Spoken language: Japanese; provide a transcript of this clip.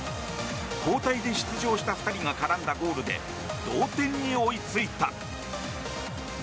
交代で出場した２人が絡んだゴールで同点に追いついた。